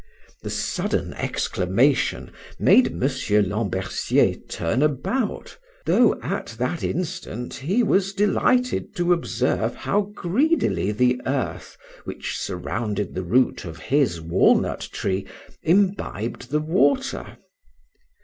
The sudden exclamation made Mr. Lambercier turn about, though at that instant he was delighted to observe how greedily the earth, which surrounded the root of his walnut tree, imbibed the water.